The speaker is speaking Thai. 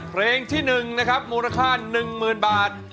เพลงที่๑นะครับมูลค่า๑๐๐๐บาท